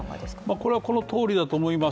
これはこのとおりだと思います。